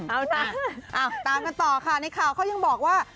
เอาจ้ะตามกันต่อค่ะในข่าวเขายังบอกว่า